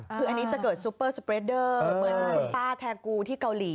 คืออันนี้จะเกิดซูเปอร์สเปรดเดอร์เหมือนคุณป้าแทกูที่เกาหลี